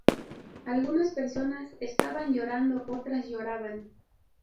Algunas personas estaban llorando; otras lloraban.